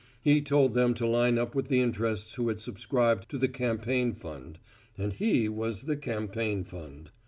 He told them to line up with the interests who had subscribed to the campaign fund and he was the campaign fund.